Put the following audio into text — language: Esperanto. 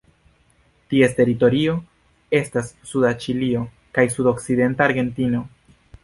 Ties teritorio estas suda Ĉilio kaj sudokcidenta Argentino.